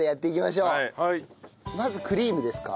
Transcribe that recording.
ではまずクリームですか？